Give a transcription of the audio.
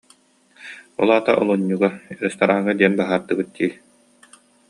Ол аата олунньуга, рестораҥҥа диэн быһаардыбыт дии